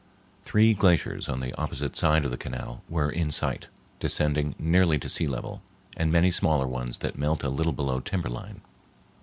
Three glaciers on the opposite side of the canal were in sight, descending nearly to sea level, and many smaller ones that melt a little below timber line.